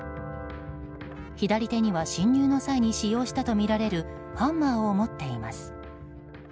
左手には侵入の際に使用したとみられるハンマーを持っています。